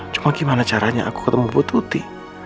cuma gimana caranya aku ketemu bututi